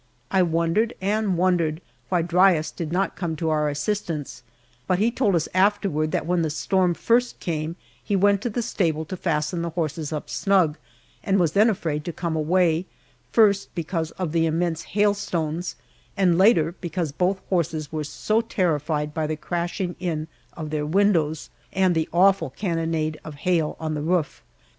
I wondered and wondered why Dryas did not come to our assistance, but he told us afterward that when the storm first came he went to the stable to fasten the horses up snug, and was then afraid to come away, first because of the immense hailstones, and later because both horses were so terrified by the crashing in of their windows, and the awful cannonade of hail on the roof.